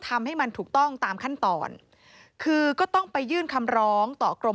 ทำให้มันถูกต้องตามขั้นตอนคือก็ต้องไปยื่นคำร้องต่อกรม